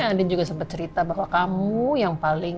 iya andin juga sempet cerita bahwa kamu yang paling